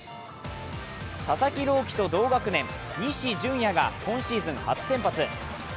佐々木朗希と同学年、西純矢が今シーズン初先発。